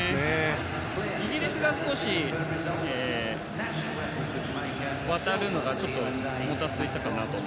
イギリスが少し渡るのがもたついたかなと。